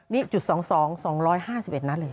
ไน้จุดสองสองส่องร้อยห้าสิบเอ็ดนะหนาดเลย